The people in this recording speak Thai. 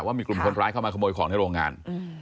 ว่ามีกลุ่มคนร้ายเข้ามาขโมยของในโรงงาน